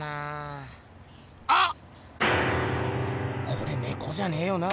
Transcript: これねこじゃねえよな？